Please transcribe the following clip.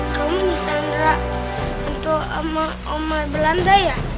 kamu di sandra hantu sama oma belanda ya